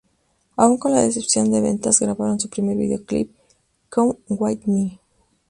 Aún con la decepción de ventas, grabaron su primer videoclip "Come with me".